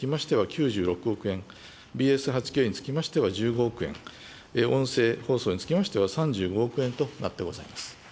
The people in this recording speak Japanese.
９６億円、ＢＳ８Ｋにつきましては１５億円、音声放送につきましては３５億円となってございます。